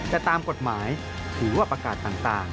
แต่ตามกฎหมายถือว่าประกาศต่าง